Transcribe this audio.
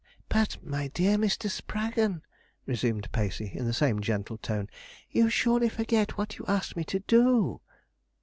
'But, my dear Mr. Spraggon,' resumed Pacey, in the same gentle tone, 'you surely forget what you asked me to do.'